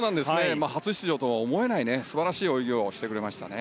初出場とは思えない素晴らしい泳ぎをしてくれました。